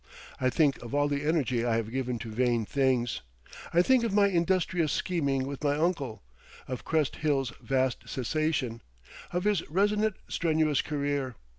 I think of all the energy I have given to vain things. I think of my industrious scheming with my uncle, of Crest Hill's vast cessation, of his resonant strenuous career.